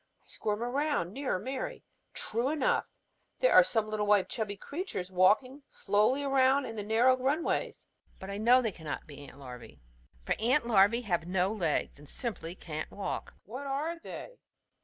I squirm around nearer Mary. True enough there are some little white chubby creatures walking slowly around in the narrow runways. But I know they cannot be ant larvæ. For ant larvæ have no legs and simply can't walk. What are they?